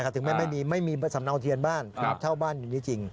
ถึงไม่มีสำเนาเทียนบ้านเช่าบ้านอยู่นี้จริง